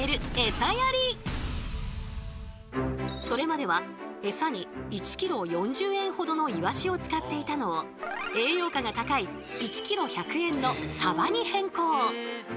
それまではエサに１ｋｇ４０円ほどのイワシを使っていたのを栄養価が高い１ｋｇ１００円のサバに変更。